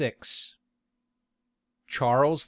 CHARLES I.